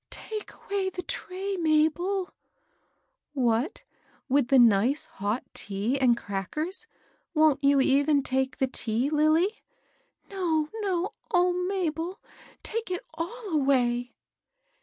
*' Take away the tray, Mabel I " "What, with the nice hot tea and crackers? Wont you even take the tea, Lilly ?"" No, no I — O Mabel I take it all away